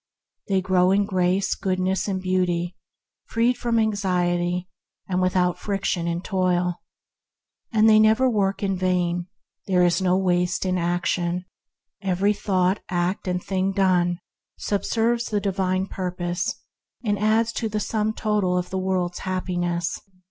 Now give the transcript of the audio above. They grow in grace, goodness, and beauty, freed from anxiety, and without friction and toil. They never work in vain; there is no waste action. Every thought, act, and thing done sub 154 THE HEAVENLY LIFE serves the Divine Purpose, and adds to the sum total of the world's happiness.